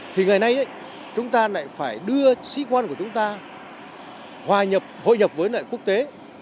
thì ngày nay chúng ta lại phải đưa sĩ quan của chúng ta hội nhập với lại quốc tế